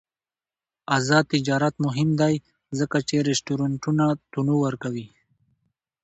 آزاد تجارت مهم دی ځکه چې رستورانټونه تنوع ورکوي.